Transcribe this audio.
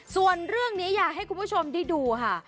ส่วนเรื่องนี้อยากให้คุณผู้ชมได้ดูค่ะ